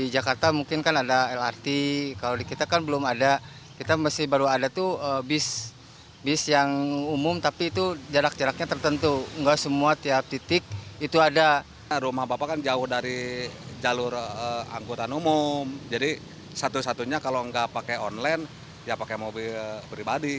jadi satu satunya kalau tidak pakai online ya pakai mobil pribadi